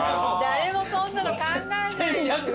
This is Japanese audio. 誰もそんなの考えない。